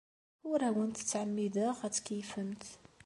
Ur awent-ttɛemmideɣ ad tkeyyfemt.